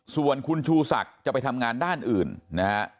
ส่วนคุณชูศักดิ์จะไปทำงานด้านอื่นนะฮะ